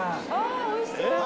おいしそう。